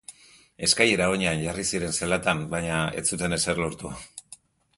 Eskailera oinean jarri ziren zelatan, baina ez zuten ezer lortu.